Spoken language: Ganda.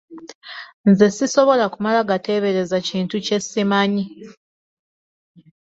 Nze sisobola kumala gatebereza kintu kyesimanyi.